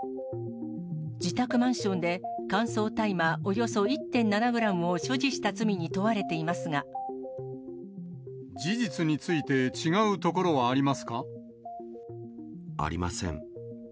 自宅マンションで乾燥大麻およそ１．７グラムを所持した罪に問わ事実について違うところはあありません。